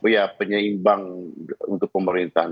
ya penyeimbang untuk pemerintahan